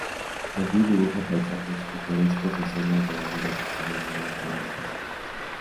Allí, dibuja paisajes pintorescos y escenas de la vida cotidiana de un pueblo pacífico.